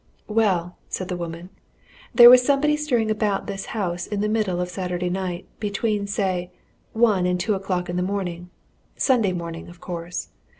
"Well," said the woman, "there was somebody stirring about this house in the middle of Saturday night between, say, one and two o'clock in the morning Sunday morning, of course.